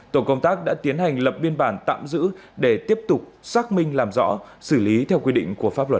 tổ công tác đã tiến hành lập biên bản tạm giữ để tiếp tục xác minh làm rõ xử lý theo quy định của pháp luật